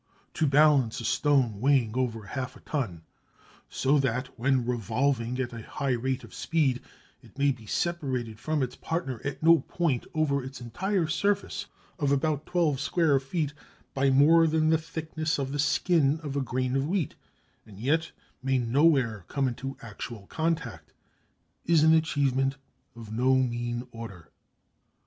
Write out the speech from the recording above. To balance a stone weighing over half a ton so that, when revolving at a high rate of speed, it may be separated from its partner at no point over its entire surface of about 12 square feet by more than the thickness of the skin of a grain of wheat, and yet may nowhere come into actual contact, is an achievement of no mean order.